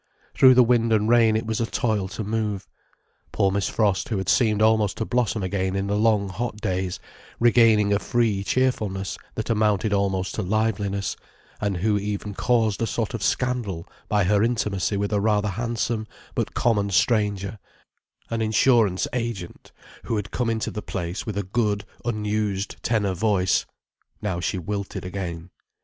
Through the wind and rain it was a toil to move. Poor Miss Frost, who had seemed almost to blossom again in the long hot days, regaining a free cheerfulness that amounted almost to liveliness, and who even caused a sort of scandal by her intimacy with a rather handsome but common stranger, an insurance agent who had come into the place with a good, unused tenor voice—now she wilted again.